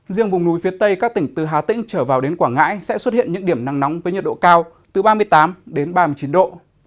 riêng vùng núi phía tây các tỉnh từ hà tĩnh trở vào đến quảng ngãi sẽ xuất hiện những điểm nắng nóng với nhiệt độ cao từ ba mươi tám đến ba mươi chín độ